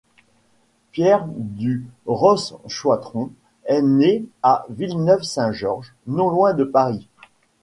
Pierre du Ross-Choîtron est né à Villeneuve-Saint-Georges, non loin de Paris.